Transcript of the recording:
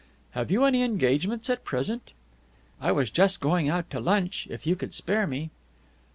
Have you any engagements at present?" "I was just going out to lunch, if you could spare me."